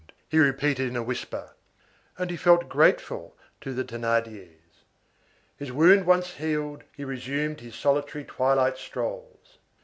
he repeated in a whisper. And he felt grateful to the Thénardiers. His wound once healed, he resumed his solitary twilight strolls.